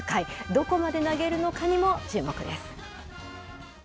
どこまで投げるのかにも注目です。